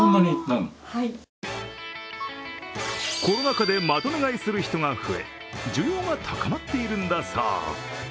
コロナ禍でまとめ買いする人が増え需要が高まっているんだそう。